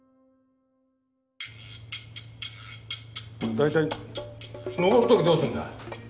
大体上る時どうすんだ。